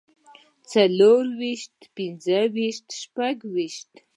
څلورويشت پنځويشت شپږويشت